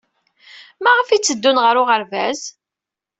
Maɣef ay tteddun ɣer uɣerbaz?